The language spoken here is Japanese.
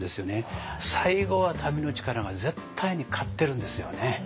最後は民の力が絶対に勝ってるんですよね。